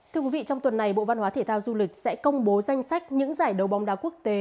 thưa quý vị trong tuần này bộ văn hóa thể thao du lịch sẽ công bố danh sách những giải đấu bóng đá quốc tế